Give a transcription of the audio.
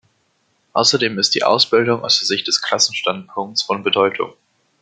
Außerdem ist die Ausbildung aus der Sicht des Klassenstandpunkts von Bedeutung.